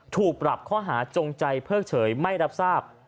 ถูกปรับข้อหาจงใจเพิกเฉยไม่รับทราบ